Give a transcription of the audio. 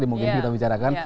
di mungkin kita bicarakan